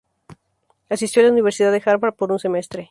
Asistió a la Universidad de Harvard por un semestre.